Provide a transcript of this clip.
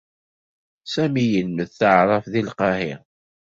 Sami yelmed taɛṛabt deg Lqahiṛa.